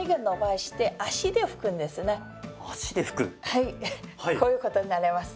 はいこういうことになります。